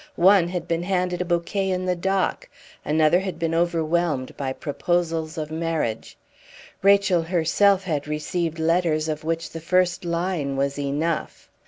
One had been handed a bouquet in the dock; another had been overwhelmed by proposals of marriage. Rachel herself had received letters of which the first line was enough.